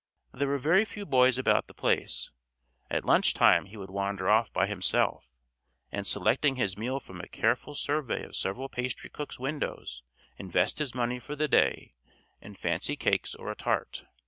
There were very few boys about the place; at lunch time he would wander off by himself, and selecting his meal from a careful survey of several pastry cook's windows invest his money for the day in fancy cakes or a tart.